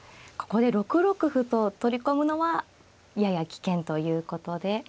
ここで６六歩と取り込むのはやや危険ということで。